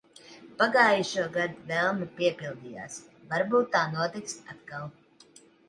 Pagājušogad vēlme piepildījās. Varbūt tā notiks atkal.